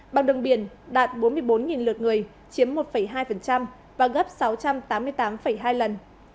bằng đường biển đạt bốn mươi bốn lượt người chiếm một hai và gấp sáu trăm tám mươi tám hai lần